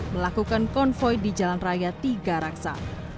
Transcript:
melakukan konvoy di jalan raya tiga raksa